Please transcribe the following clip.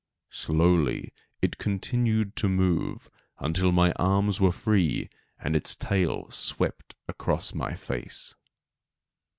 Slowly it continued to move, until my arms were free and its tail swept across my face.